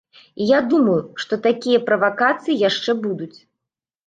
І я думаю, што такія правакацыі яшчэ будуць.